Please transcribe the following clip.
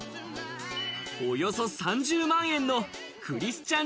およそ３０万円のクリスチャ